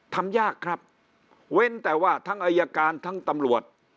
ทำยากครับเว้นแต่ว่าทั้งอายการทั้งตำรวจ